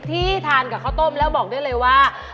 ที่ทานกับข้าวต้มแล้วบอกได้เลยว่า